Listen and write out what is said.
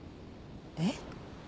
えっ？